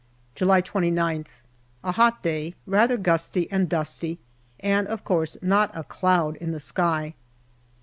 July 29th. A hot day, rather gusty and dusty, and of course not a cloud in the sky.